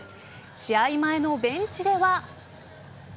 試合前のベンチでは。